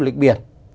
du lịch biển